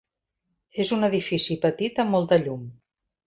És un edifici petit amb molta llum.